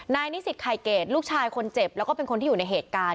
นิสิตไข่เกรดลูกชายคนเจ็บแล้วก็เป็นคนที่อยู่ในเหตุการณ์